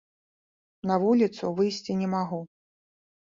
На вуліцу выйсці не магу.